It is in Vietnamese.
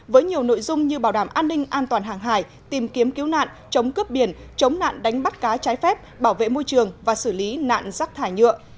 với nhiều nội dung như bảo đảm an ninh an toàn hàng hải tìm kiếm cứu nạn chống cướp biển chống nạn đánh bắt cá trái phép bảo vệ môi trường và xử lý nạn rác thải nhựa